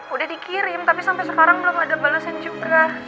udah dikirim tapi sampai sekarang belum lagi balasan juga